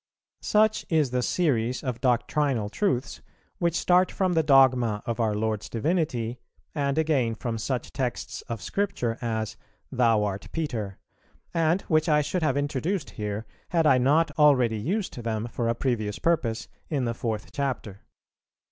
Such is the series of doctrinal truths, which start from the dogma of our Lord's Divinity, and again from such texts of Scripture as "Thou art Peter," and which I should have introduced here, had I not already used them for a previous purpose in the Fourth Chapter.